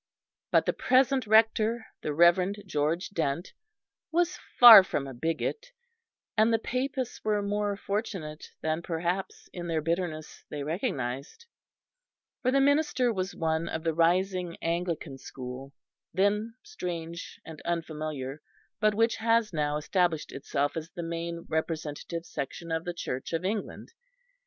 But the present Rector, the Reverend George Dent, was far from a bigot; and the Papists were more fortunate than perhaps, in their bitterness, they recognised; for the minister was one of the rising Anglican school, then strange and unfamiliar, but which has now established itself as the main representative section of the Church of England.